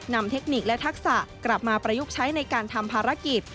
เทคนิคและทักษะกลับมาประยุกต์ใช้ในการทำภารกิจ